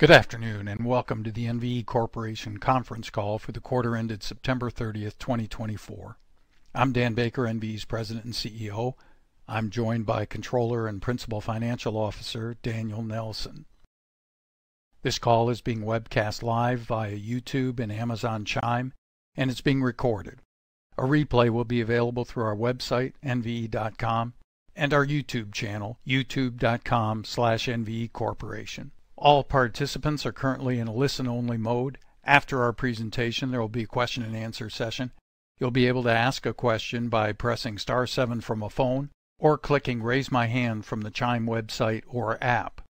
Good afternoon, and welcome to the NVE Corporation conference call for the quarter ended September 30th, 2024. I'm Dan Baker, NVE's President and CEO. I'm joined by Controller and Principal Financial Officer, Daniel Nelson. This call is being webcast live via YouTube and Amazon Chime, and it's being recorded. A replay will be available through our website, nve.com, and our YouTube channel, youtube.com/nvecorporation. All participants are currently in a listen-only mode. After our presentation, there will be a question-and-answer session. You'll be able to ask a question by pressing star seven from a phone or clicking Raise My Hand from the Chime website or app.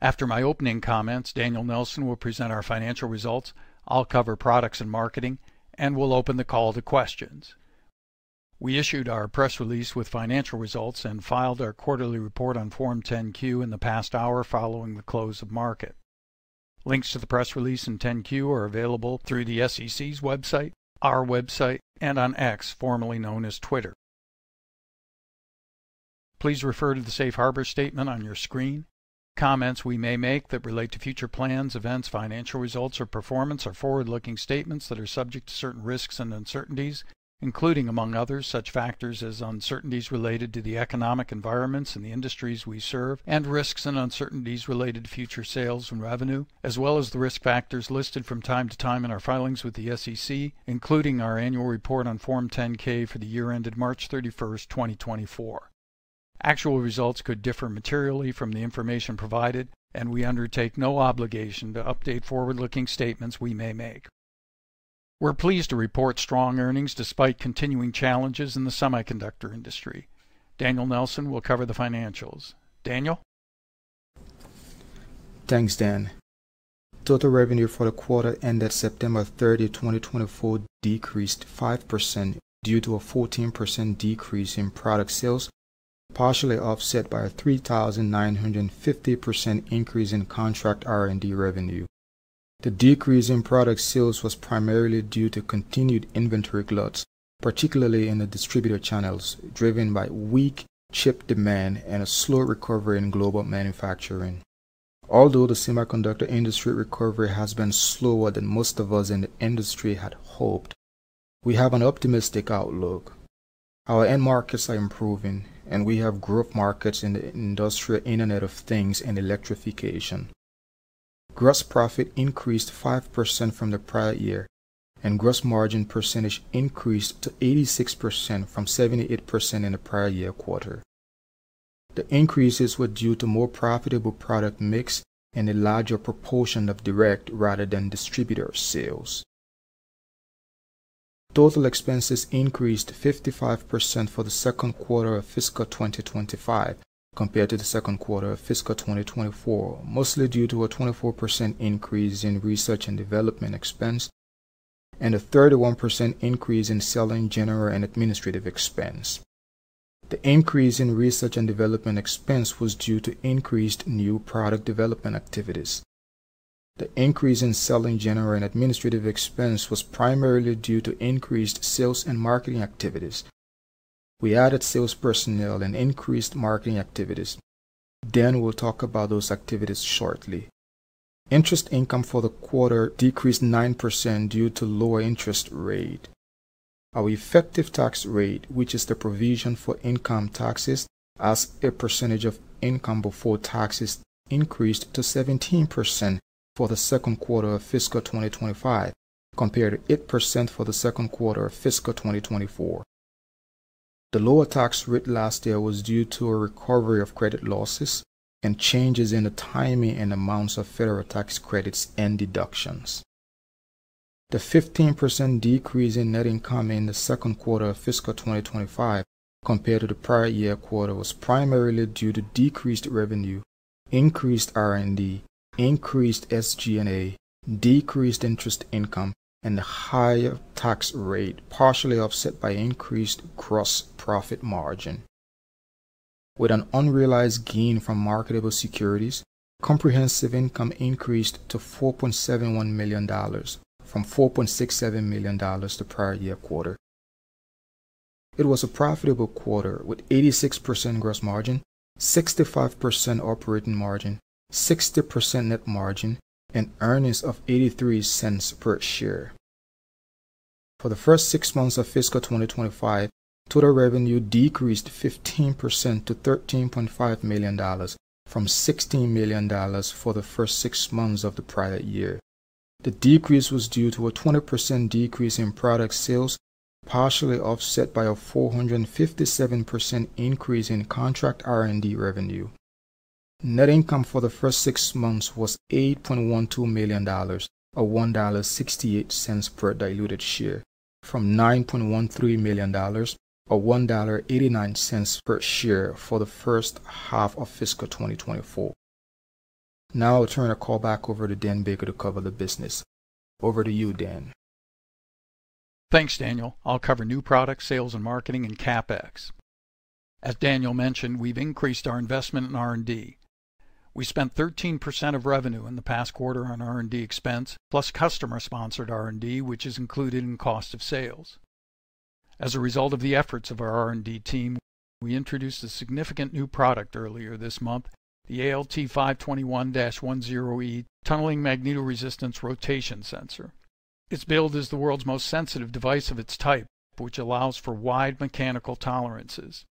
After my opening comments, Daniel Nelson will present our financial results. I'll cover products and marketing, and we'll open the call to questions. We issued our press release with financial results and filed our quarterly report on Form 10-Q in the past hour, following the close of market. Links to the press release and 10-Q are available through the SEC's website, our website, and on X, formerly known as Twitter. Please refer to the Safe Harbor statement on your screen. Comments we may make that relate to future plans, events, financial results, or performance are forward-looking statements that are subject to certain risks and uncertainties, including, among others, such factors as uncertainties related to the economic environments and the industries we serve, and risks and uncertainties related to future sales and revenue, as well as the risk factors listed from time to time in our filings with the SEC, including our annual report on Form 10-K for the year ended March 31st, 2024. Actual results could differ materially from the information provided, and we undertake no obligation to update forward-looking statements we may make. We're pleased to report strong earnings despite continuing challenges in the semiconductor industry. Daniel Nelson will cover the financials. Daniel? Thanks, Dan. Total revenue for the quarter ended Septem`ber 30, 2024, decreased 5% due to a 14% decrease in product sales, partially offset by a 3,950% increase in contract R&D revenue. The decrease in product sales was primarily due to continued inventory gluts, particularly in the distributor channels, driven by weak chip demand and a slow recovery in global manufacturing. Although the semiconductor industry recovery has been slower than most of us in the industry had hoped, we have an optimistic outlook. Our end markets are improving, and we have growth markets in the Industrial Internet of Things and electrification. Gross profit increased 5% from the prior year, and gross margin percentage increased to 86% from 78% in the prior year quarter. The increases were due to more profitable product mix and a larger proportion of direct rather than distributor sales. Total expenses increased 55% for the second quarter of fiscal 2025 compared to the second quarter of fiscal 2024, mostly due to a 24% increase in research and development expense and a 31% increase in selling, general, and administrative expense. The increase in research and development expense was due to increased new product development activities. The increase in selling, general, and administrative expense was primarily due to increased sales and marketing activities. We added sales personnel and increased marketing activities. Dan will talk about those activities shortly. Interest income for the quarter decreased 9% due to lower interest rate. Our effective tax rate, which is the provision for income taxes as a percentage of income before taxes, increased to 17% for the second quarter of fiscal 2025 compared to 8% for the second quarter of fiscal 2024. The lower tax rate last year was due to a recovery of credit losses and changes in the timing and amounts of federal tax credits and deductions. The 15% decrease in net income in the second quarter of fiscal 2025 compared to the prior year quarter was primarily due to decreased revenue, increased R&D, increased SG&A, decreased interest income, and a higher tax rate, partially offset by increased gross profit margin. With an unrealized gain from marketable securities, comprehensive income increased to $4.71 million from $4.67 million the prior year quarter. It was a profitable quarter, with 86% gross margin, 65% operating margin, 60% net margin, and earnings of $0.83 per share. For the first six months of fiscal 2025, total revenue decreased 15% to $13.5 million from $16 million for the first six months of the prior year. The decrease was due to a 20% decrease in product sales, partially offset by a 457% increase in contract R&D revenue. Net income for the first six months was $8.12 million, or $1.68 per diluted share, from $9.13 million, or $1.89 per share, for the first half of fiscal 2024. Now I'll turn the call back over to Dan Baker to cover the business. Over to you, Dan. Thanks, Daniel. I'll cover new products, sales and marketing, and CapEx. As Daniel mentioned, we've increased our investment in R&D. We spent 13% of revenue in the past quarter on R&D expense, plus customer-sponsored R&D, which is included in cost of sales. As a result of the efforts of our R&D team, we introduced a significant new product earlier this month, the ALT521-10E tunneling magnetoresistance rotation sensor. It's billed as the world's most sensitive device of its type, which allows for wide mechanical tolerances.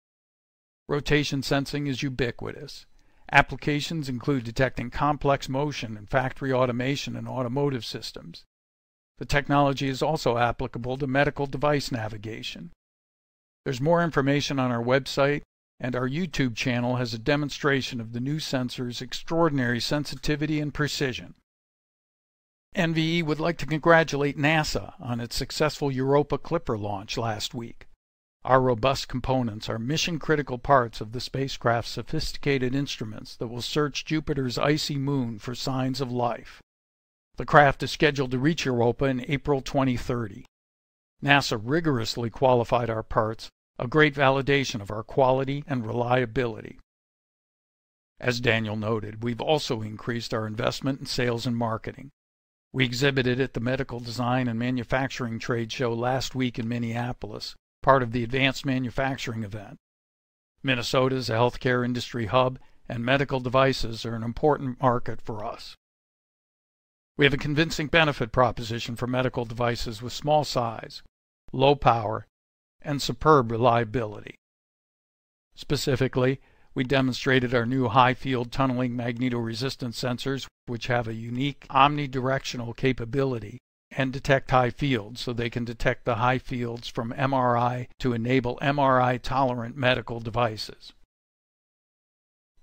Rotation sensing is ubiquitous. Applications include detecting complex motion in factory automation and automotive systems. The technology is also applicable to medical device navigation. There's more information on our website, and our YouTube channel has a demonstration of the new sensor's extraordinary sensitivity and precision. NVE would like to congratulate NASA on its successful Europa Clipper launch last week. Our robust components are mission-critical parts of the spacecraft's sophisticated instruments that will search Jupiter's icy moon for signs of life. The craft is scheduled to reach Europa in April twenty thirty. NASA rigorously qualified our parts, a great validation of our quality and reliability. As Daniel noted, we've also increased our investment in sales and marketing. We exhibited at the Medical Design and Manufacturing Trade Show last week in Minneapolis, part of the Advanced Manufacturing event. Minnesota's a healthcare industry hub, and medical devices are an important market for us. We have a convincing benefit proposition for medical devices with small size, low power, and superb reliability. Specifically, we demonstrated our new high-field tunneling magnetoresistance sensors, which have a unique omnidirectional capability and detect high fields, so they can detect the high fields from MRI to enable MRI-tolerant medical devices.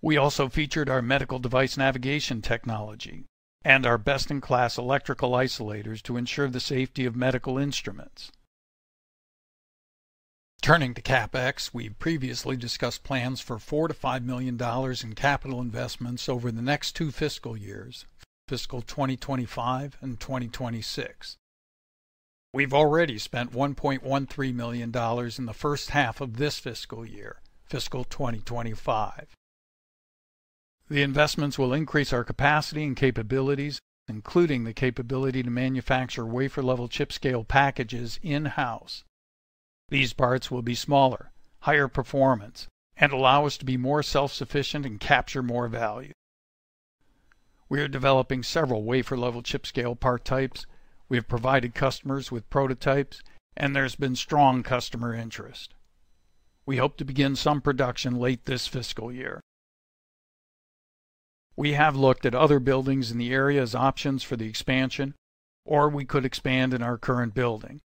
We also featured our medical device navigation technology and our best-in-class electrical isolators to ensure the safety of medical instruments. Turning to CapEx, we've previously discussed plans for $4 million-$5 million in capital investments over the next two fiscal years, fiscal 2025 and 2026. We've already spent $1.13 million in the first half of this fiscal year, fiscal 2025. The investments will increase our capacity and capabilities, including the capability to manufacture wafer-level chip-scale packages in-house. These parts will be smaller, higher performance, and allow us to be more self-sufficient and capture more value. We are developing several wafer-level chip-scale part types. We have provided customers with prototypes, and there's been strong customer interest. We hope to begin some production late this fiscal year. We have looked at other buildings in the area as options for the expansion, or we could expand in our current building.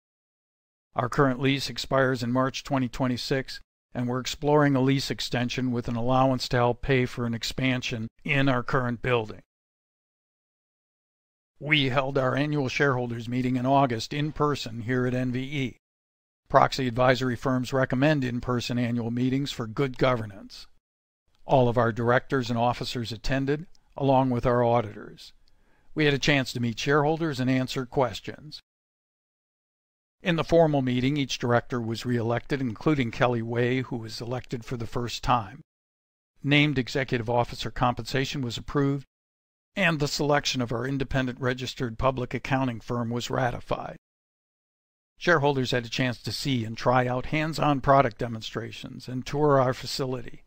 Our current lease expires in March 2026, and we're exploring a lease extension with an allowance to help pay for an expansion in our current building. We held our annual shareholders' meeting in August in person here at NVE. Proxy advisory firms recommend in-person annual meetings for good governance. All of our directors and officers attended, along with our auditors. We had a chance to meet shareholders and answer questions. In the formal meeting, each director was reelected, including Kelly Wei, who was elected for the first time. Named executive officer compensation was approved, and the selection of our independent registered public accounting firm was ratified. Shareholders had a chance to see and try out hands-on product demonstrations and tour our facility.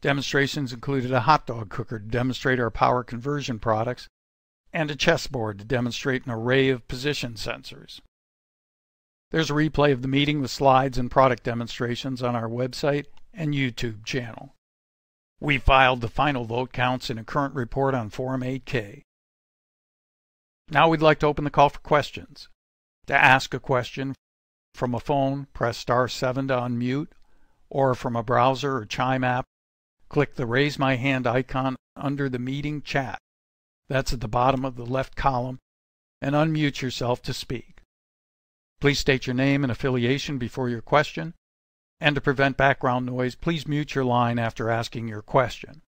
Demonstrations included a hot dog cooker to demonstrate our power conversion products and a chessboard to demonstrate an array of position sensors. There's a replay of the meeting with slides and product demonstrations on our website and YouTube channel. We filed the final vote counts in a current report on Form 8-K. Now we'd like to open the call for questions. To ask a question from a phone, press star seven to unmute, or from a browser or Chime app, click the Raise My Hand icon under the meeting chat. That's at the bottom of the left column, and unmute yourself to speak. Please state your name and affiliation before your question, and to prevent background noise, please mute your line after asking your question.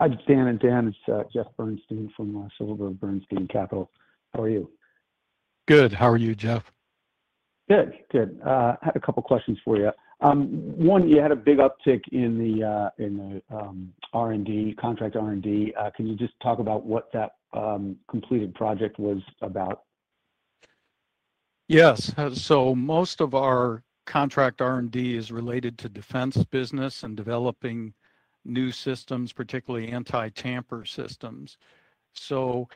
Hi, Dan and Dan. It's Jeff Bernstein from Silverberg Bernstein Capital. How are you? Good. How are you, Jeff? Good, good. I had a couple questions for you. One, you had a big uptick in the R&D, contract R&D. Can you just talk about what that completed project was about? Yes. So most of our contract R&D is related to defense business and developing new systems, particularly anti-tamper systems. So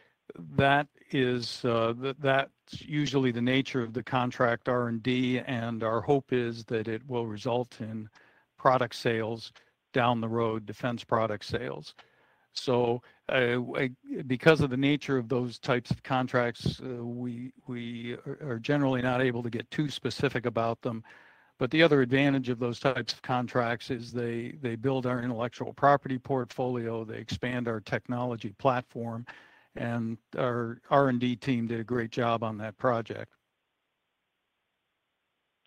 that is, that's usually the nature of the contract R&D, and our hope is that it will result in product sales down the road, defense product sales. So, because of the nature of those types of contracts, we are generally not able to get too specific about them. But the other advantage of those types of contracts is they build our intellectual property portfolio, they expand our technology platform, and our R&D team did a great job on that project.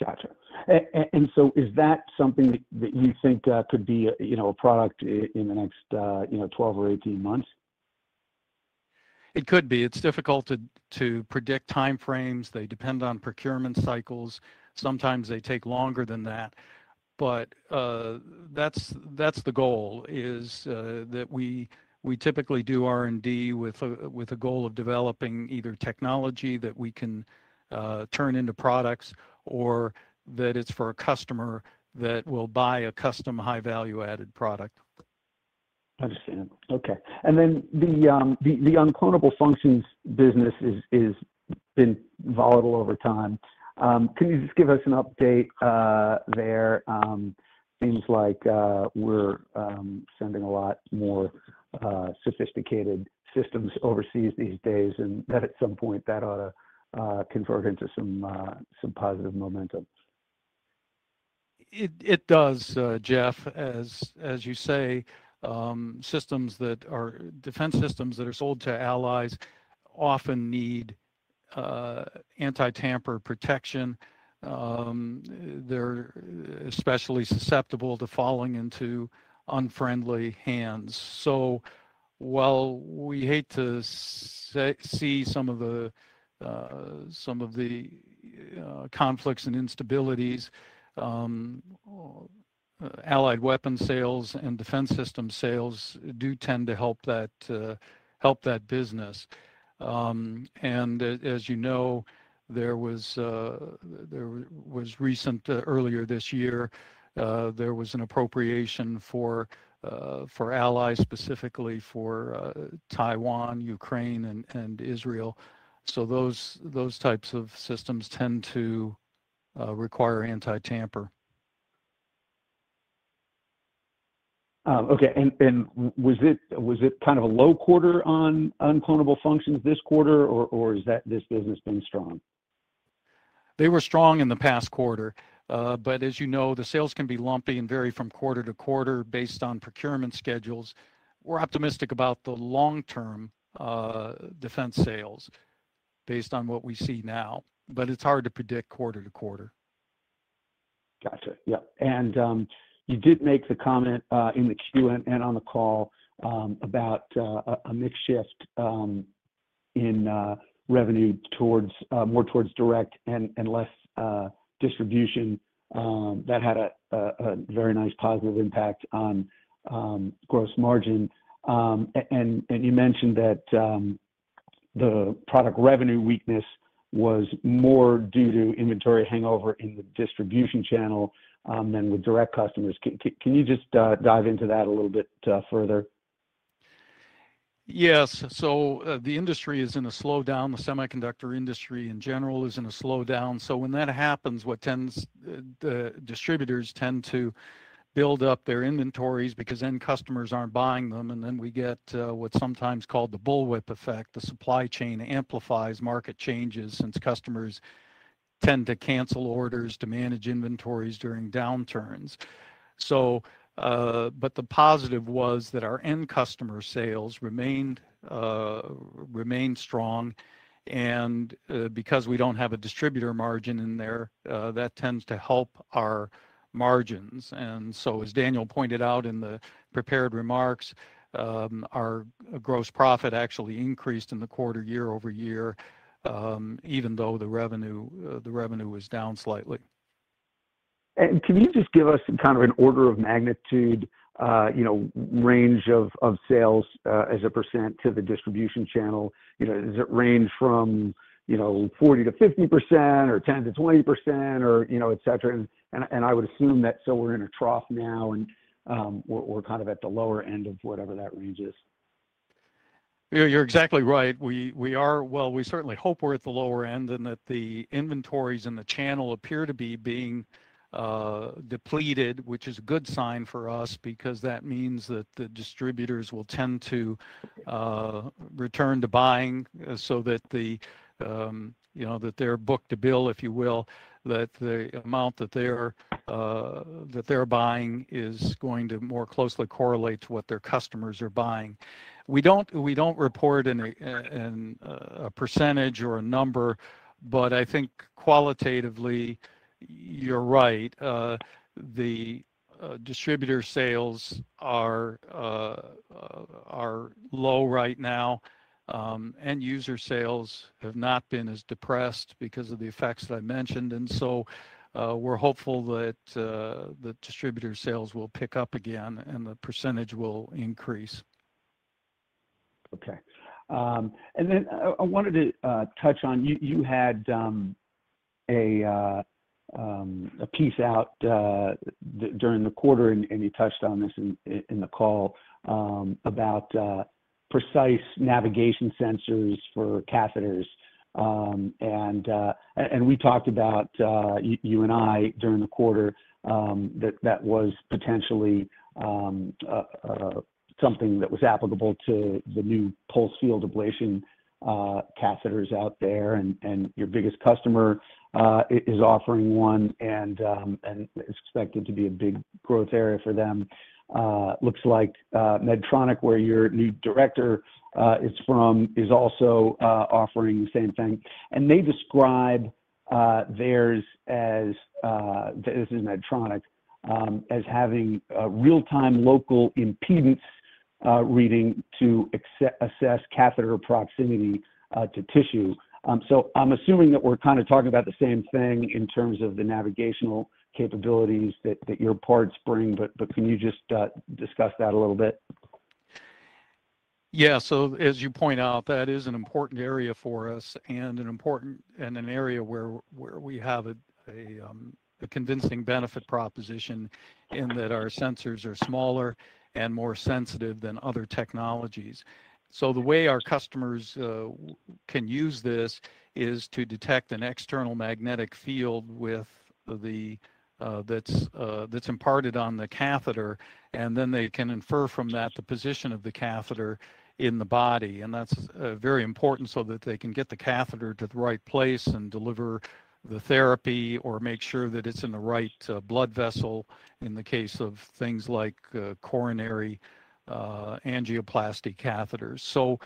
Gotcha. And so is that something that you think, you know, a product in the next, you know, 12 or 18 months? It could be. It's difficult to predict timeframes. They depend on procurement cycles. Sometimes they take longer than that, but that's the goal, is that we typically do R&D with a goal of developing either technology that we can turn into products, or that it's for a customer that will buy a custom, high-value-added product. I understand. Okay. And then the uncloneable functions business has been volatile over time. Can you just give us an update there? Seems like we're sending a lot more sophisticated systems overseas these days, and that at some point that ought to convert into some positive momentum. It does, Jeff. As you say, systems that are defense systems that are sold to allies often need anti-tamper protection. They're especially susceptible to falling into unfriendly hands. So while we hate to see some of the conflicts and instabilities, allied weapon sales and defense system sales do tend to help that business. And as you know, there was recent. Earlier this year, there was an appropriation for allies, specifically for Taiwan, Ukraine, and Israel. So those types of systems tend to require anti-tamper. Okay, and was it kind of a low quarter on uncloneable functions this quarter, or has that this business been strong? They were strong in the past quarter, but as you know, the sales can be lumpy and vary from quarter to quarter based on procurement schedules. We're optimistic about the long-term, defense sales based on what we see now, but it's hard to predict quarter to quarter. Gotcha. Yeah. And you did make the comment in the Q and on the call about a mix shift in revenue towards more towards direct and less distribution. And you mentioned that the product revenue weakness was more due to inventory hangover in the distribution channel than with direct customers. Can you just dive into that a little bit further? Yes. So, the industry is in a slowdown. The semiconductor industry, in general, is in a slowdown. So when that happens, the distributors tend to build up their inventories because then customers aren't buying them, and then we get what's sometimes called the bullwhip effect. The supply chain amplifies market changes since customers tend to cancel orders to manage inventories during downturns. So, but the positive was that our end customer sales remained strong, and because we don't have a distributor margin in there, that tends to help our margins. And so, as Daniel pointed out in the prepared remarks, our gross profit actually increased in the quarter year over year, even though the revenue was down slightly. And can you just give us some kind of an order of magnitude, you know, range of sales, as a percent to the distribution channel? You know, does it range from, you know, 40%-50% or 10%-20% or, you know, et cetera? And I would assume that so we're in a trough now, and we're kind of at the lower end of whatever that range is. You're exactly right. We are. We certainly hope we're at the lower end and that the inventories in the channel appear to be being depleted, which is a good sign for us because that means that the distributors will tend to return to buying so that the, you know, that their book-to-bill, if you will, that the amount that they're buying is going to more closely correlate to what their customers are buying. We don't report in a percentage or a number, but I think qualitatively, you're right. The distributor sales are low right now. End user sales have not been as depressed because of the effects that I mentioned, and so, we're hopeful that the distributor sales will pick up again, and the percentage will increase. Okay. And then I wanted to touch on. You had a piece out during the quarter, and you touched on this in the call about precise navigation sensors for catheters. And we talked about you and I during the quarter, that that was potentially something that was applicable to the new pulse field ablation catheters out there, and your biggest customer is offering one, and it's expected to be a big growth area for them. Looks like Medtronic, where your new director is from, is also offering the same thing. And they describe-... Theirs as this is Medtronic as having a real-time local impedance reading to assess catheter proximity to tissue. So I'm assuming that we're kind of talking about the same thing in terms of the navigational capabilities that your parts bring, but can you just discuss that a little bit? Yeah. So as you point out, that is an important area for us and an area where we have a convincing benefit proposition in that our sensors are smaller and more sensitive than other technologies. So the way our customers can use this is to detect an external magnetic field that's imparted on the catheter, and then they can infer from that the position of the catheter in the body. And that's very important so that they can get the catheter to the right place and deliver the therapy or make sure that it's in the right blood vessel in the case of things like coronary angioplasty catheters. So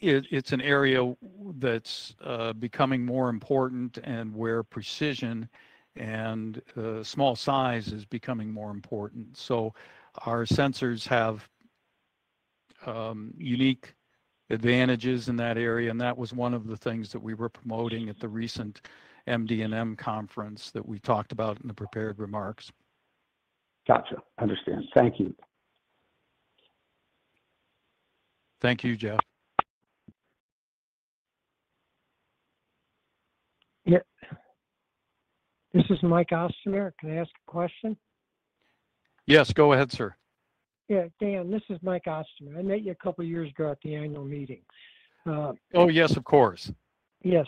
it's an area that's becoming more important and where precision and small size is becoming more important. So our sensors have unique advantages in that area, and that was one of the things that we were promoting at the recent MD&M conference that we talked about in the prepared remarks. Gotcha. Understand. Thank you. Thank you, Jeff. Yeah. This is Mike Ostheimer. Can I ask a question? Yes, go ahead, sir. Yeah, Dan, this is Mike Ostheimer. I met you a couple of years ago at the annual meeting. Oh, yes, of course. Yes.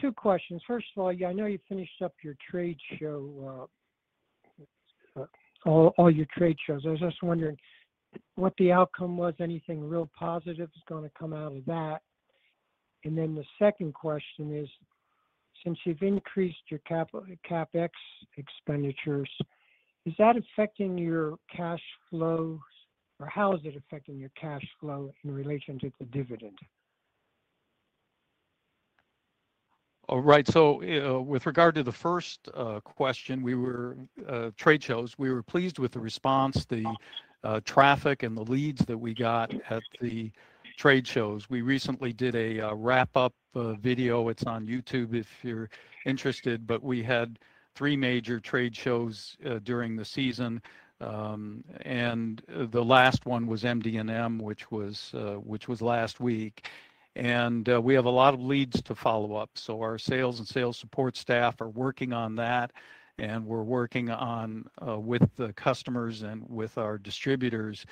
Two questions. First of all, yeah, I know you finished up your trade show, all your trade shows. I was just wondering what the outcome was, anything real positive is gonna come out of that? And then the second question is, since you've increased your capital, CapEx expenditures, is that affecting your cash flows, or how is it affecting your cash flow in relation to the dividend? All right. So, with regard to the first question, trade shows, we were pleased with the response, the traffic, and the leads that we got at the trade shows. We recently did a wrap-up video. It's on YouTube if you're interested. But we had three major trade shows during the season, and the last one was MD&M, which was last week. And we have a lot of leads to follow up, so our sales and sales support staff are working on that, and we're working on with the customers and with our distributors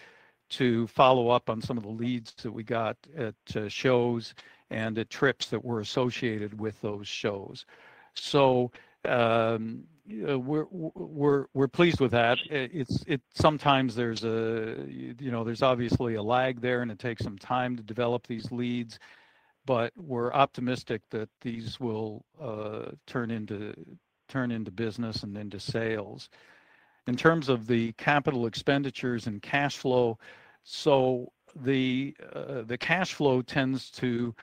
to follow up on some of the leads that we got at shows and the trips that were associated with those shows. So, we're pleased with that. It's... Sometimes there's a, you know, there's obviously a lag there, and it takes some time to develop these leads, but we're optimistic that these will turn into business and into sales. In terms of the capital expenditures and cash flow, so the cash flow tends to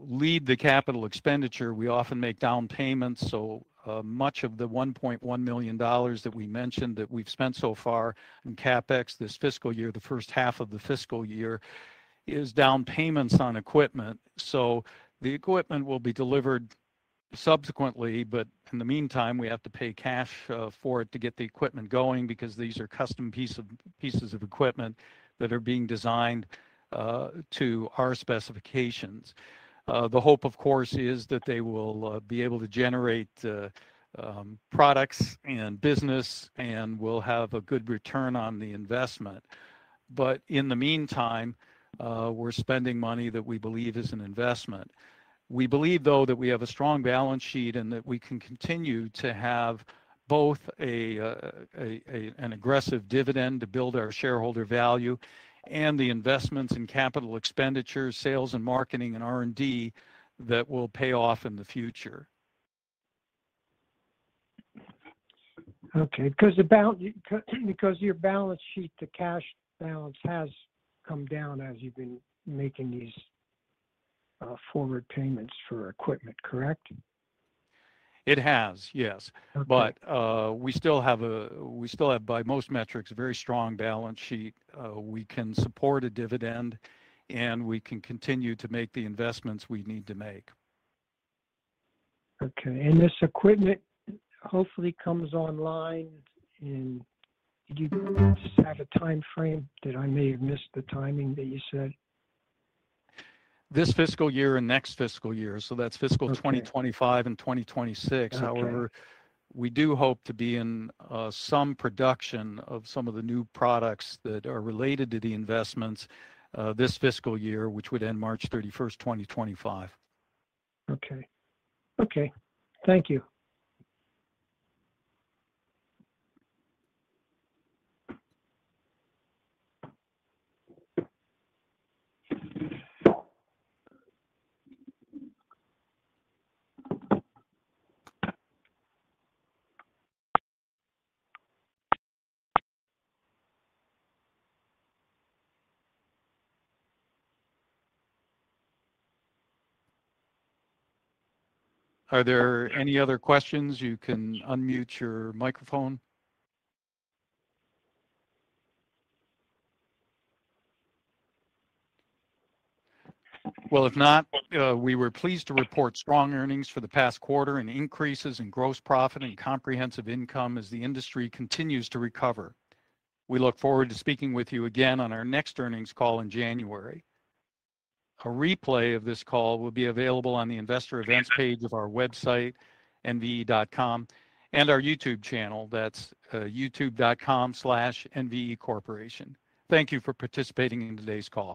lead the capital expenditure. We often make down payments, so much of the $1.1 million that we mentioned that we've spent so far in CapEx this fiscal year, the first half of the fiscal year, is down payments on equipment. So the equipment will be delivered subsequently, but in the meantime, we have to pay cash for it to get the equipment going because these are custom pieces of equipment that are being designed to our specifications. The hope, of course, is that they will be able to generate products and business, and we'll have a good return on the investment. But in the meantime, we're spending money that we believe is an investment. We believe, though, that we have a strong balance sheet and that we can continue to have both an aggressive dividend to build our shareholder value and the investments in capital expenditures, sales and marketing, and R&D that will pay off in the future. Okay, because your balance sheet, the cash balance, has come down as you've been making these forward payments for equipment, correct? It has, yes. Okay. But we still have, by most metrics, a very strong balance sheet. We can support a dividend, and we can continue to make the investments we need to make. Okay, and this equipment hopefully comes online in.. Do you have a timeframe, that I may have missed the timing that you said? This fiscal year and next fiscal year, so that's fiscal- Okay .2025 and 2026. Okay. However, we do hope to be in some production of some of the new products that are related to the investments this fiscal year, which would end March thirty-first, twenty twenty-five. Okay. Okay, thank you. Are there any other questions? You can unmute your microphone. Well, if not, we were pleased to report strong earnings for the past quarter and increases in gross profit and comprehensive income as the industry continues to recover. We look forward to speaking with you again on our next earnings call in January. A replay of this call will be available on the Investor Events page of our website, nve.com, and our YouTube channel. That's youtube.com/nvecorporation. Thank you for participating in today's call.